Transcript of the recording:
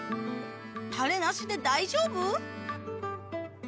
タレなしで大丈夫？